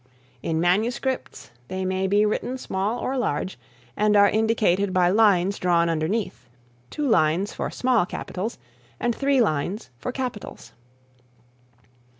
In manuscripts they may be written small or large and are indicated by lines drawn underneath, two lines for SMALL CAPITALS and three lines for CAPITALS.